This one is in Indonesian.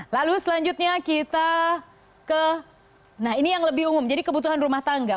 lalu selanjutnya kita ke nah ini yang lebih umum jadi kebutuhan rumah tangga